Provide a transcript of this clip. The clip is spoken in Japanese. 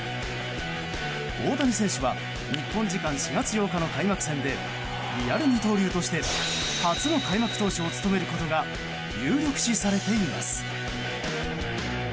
大谷選手は日本時間４月８日の開幕戦でリアル二刀流として初の開幕投手を務めることが有力視されています。